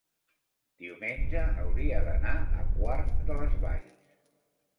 Diumenge hauria d'anar a Quart de les Valls.